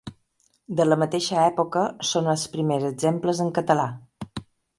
De la mateixa època són els primers exemples en català.